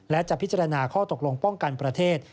และจะพิจารณาข้อตกลงป้องกันประเทศ